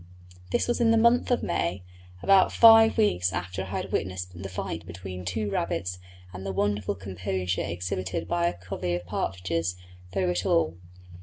This was in the month of May, about five weeks after I had witnessed the fight between two rabbits, and the wonderful composure exhibited by a covey of partridges through it all.